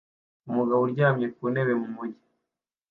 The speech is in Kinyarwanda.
Umugabo uryamye ku ntebe mu mujyi